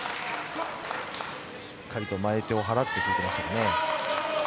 しっかり前手を払って詰めていきましたね。